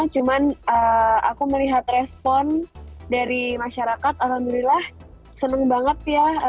cuman aku melihat respon dari masyarakat alhamdulillah senang banget ya